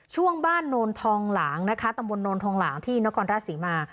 ช่วงบ้านโนนทองหลางนะคะตำบลโนนทองหลางที่นครราชศรีมา